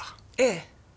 ええ。